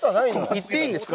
行っていいんですか？